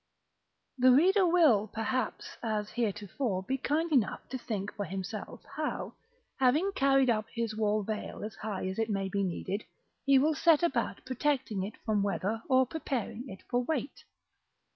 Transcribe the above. § II. The reader will, perhaps, as heretofore, be kind enough to think for himself, how, having carried up his wall veil as high as it may be needed, he will set about protecting it from weather, or preparing it for weight.